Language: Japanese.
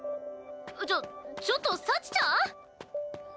ちょちょっと幸ちゃん！？